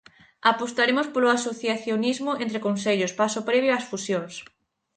Apostaremos polo asociacionismo entre concellos, paso previo ás fusións.